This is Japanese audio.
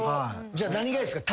じゃあ何がいいっすか？